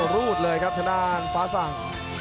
รูดเลยครับธนาคภาษศรัง